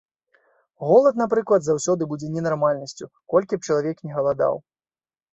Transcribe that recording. Голад, напрыклад, заўсёды будзе ненармальнасцю, колькі б чалавек ні галадаў.